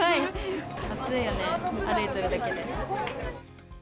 暑いよね、歩いてるだけで。